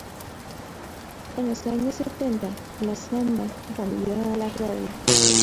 En los años setenta, la samba volvió a la radio.